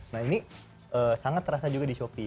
nah ini sangat terasa juga di shopee